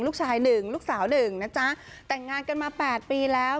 ลูกชายหนึ่งลูกสาวหนึ่งนะจ๊ะแต่งงานกันมาแปดปีแล้ว